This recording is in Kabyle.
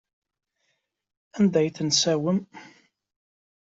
Anda ay ten-tessewwem?